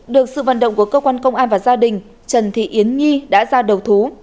được sự vận động của cơ quan công an và gia đình trần thị yến nhi đã ra đầu thú